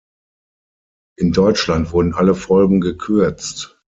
In Deutschland wurden alle Folgen gekürzt.